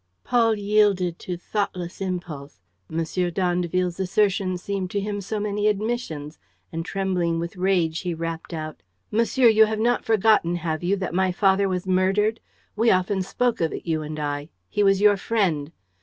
Paul yielded to thoughtless impulse. M. d'Andeville's assertions seemed to him so many admissions; and, trembling with rage, he rapped out: "Monsieur, you have not forgotten, have you, that my father was murdered? We often spoke of it, you and I. He was your friend.